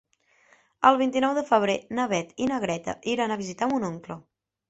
El vint-i-nou de febrer na Beth i na Greta iran a visitar mon oncle.